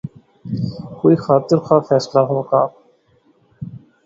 کوئی خاطر خواہ فیصلہ ہو گا۔